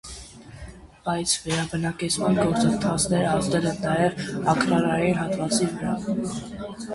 Բայց վերաբնակեցման գործընթացները ազդել են նաև ագրարային հատվածի վրա։